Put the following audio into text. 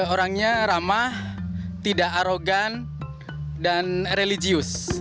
orangnya ramah tidak arogan dan religius